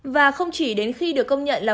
và không chỉ đến khi được công nhận là một nhà hàng